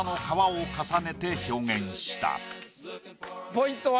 ポイントは？